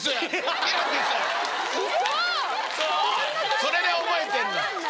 それで覚えてんの。